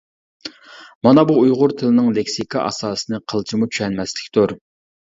مانا بۇ ئۇيغۇر تىلىنىڭ لېكسىكا ئاساسىنى قىلچىمۇ چۈشەنمەسلىكتۇر.